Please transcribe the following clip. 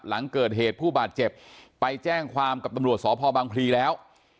หลังเกิดเหตุผู้บาดเจ็บไปแจ้งความกับตำรวจสพบังพลีแล้ว